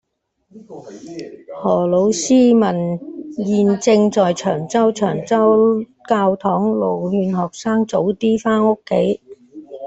何老師問現正在長洲長洲教堂路勸學生早啲返屋企